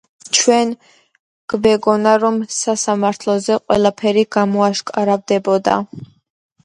ჩვენ გვეგონა რომ სასამართლოზე ყველაფერი გამოაშკარავდებოდა.